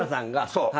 そう。